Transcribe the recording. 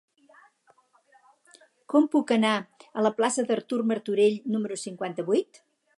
Com puc anar a la plaça d'Artur Martorell número cinquanta-vuit?